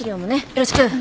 よろしく。